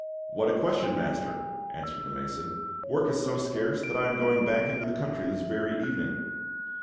"What a question, master!" answered the mason. "Work is so scarce that I am going back into the country this very evening."